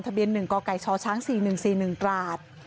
เบียน๑กกชช๔๑๔๑ตราด